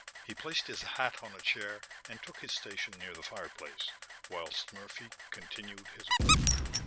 He placed his hat on a chair and took his station near the fireplace, whilst Murphy continued his work.